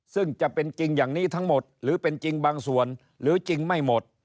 ซึ่งจะเป็นจริงอย่างนี้ทั้งหมดหรือเป็นจริงบางส่วนหรือจริงไม่หมด